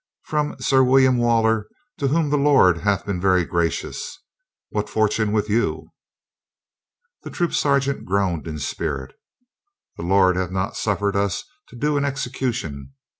"From Sir William Waller, to whom the Lord hath been very gracious. What fortune with you?" The troop sergeant groaned in spirit. "The Lord hath not suff"ered us to do an execution.